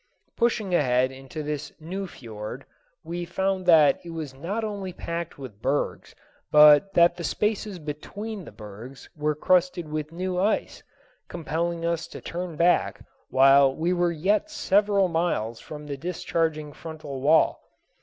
Pushing ahead into this new fiord, we found that it was not only packed with bergs, but that the spaces between the bergs were crusted with new ice, compelling us to turn back while we were yet several miles from the discharging frontal wall.